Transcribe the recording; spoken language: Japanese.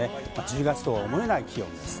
１０月とは思えない気温です。